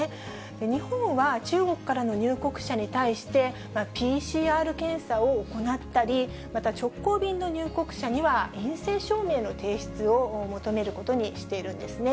日本は中国からの入国者に対して、ＰＣＲ検査を行ったり、また直行便の入国者には、陰性証明の提出を求めることにしているんですね。